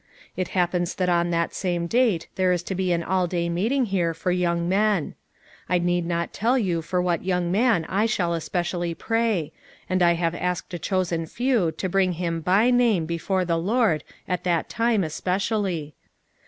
It happens that on that same date there is to be an all day meeting here 332 FOUR MOTHERS AT CHAUTAUQUA for young men; I need not tell you for what young man I shall especially pray, and I liavo asked a chosen few to bring him by name before the Lord at that time especially.